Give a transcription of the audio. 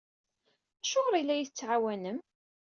Acuɣer i la iyi-tettɛawanem?